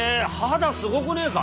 肌すごくねえか？